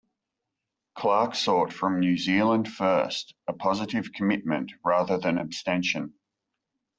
Clark sought from New Zealand First a positive commitment rather than abstention.